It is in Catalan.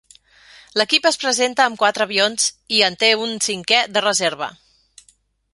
L'equip es presenta amb quatre avions i té un cinquè de reserva.